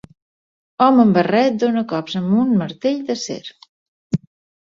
Home amb barret dona cops amb un martell d'acer.